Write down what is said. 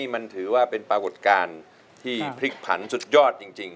มันถือว่าเป็นปรากฏการณ์ที่พลิกผันสุดยอดจริง